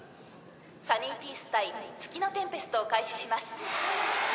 サニーピース対月のテンペストを開始します。